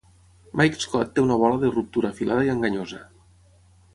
Mike Scott té una bola de ruptura afilada i enganyosa.